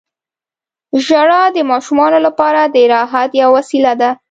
• ژړا د ماشومانو لپاره د راحت یوه وسیله ده.